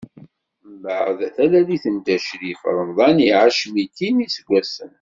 Mbeɛd talalit n Dda Crif, Ramḍan iɛac mitin n iseggasen.